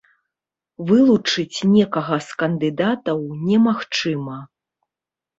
Вылучыць некага з кандыдатаў немагчыма.